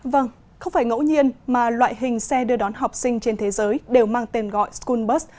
vâng không phải ngẫu nhiên mà loại hình xe đưa đón học sinh trên thế giới đều mang tên gọi school